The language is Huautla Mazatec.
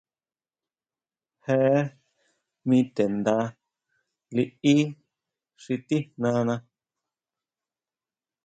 Jee mi te nda liʼí xi tijnana.